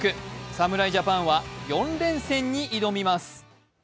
侍ジャパンは４連戦に挑みます。